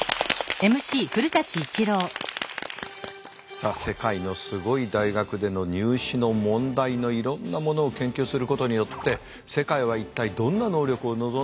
さあ世界のすごい大学での入試の問題のいろんなものを研究することによって世界は一体どんな能力を望んでいるのか。